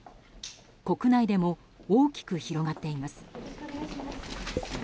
国内でも大きく広がっています。